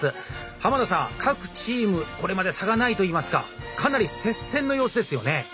濱田さん各チームこれまで差がないといいますかかなり接戦の様子ですよね？